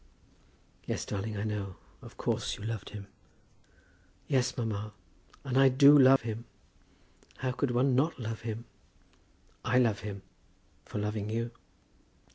"Yes, darling, I know. Of course you loved him." "Yes, mamma. And I do love him. How could one not love him?" "I love him, for loving you."